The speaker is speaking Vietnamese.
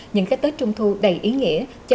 những cái tết trung thu đầy ý nghĩa